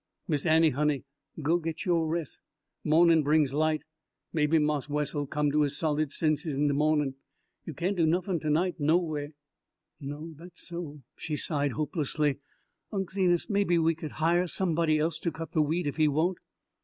"Miss Annie, honey, go git your res' mawnin' brings light. Maybe Marse Wes'll come to his solid senses een de mawnin'. You cain' do nuffin' ternight noway." "No, that's so." She sighed hopelessly. "Unc' Zenas, maybe we could hire somebody else to cut the wheat if he won't."